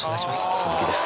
鈴木です。